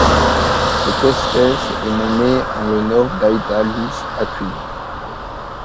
Cette espèce est nommée en l'honneur d'Aida Luz Aquino.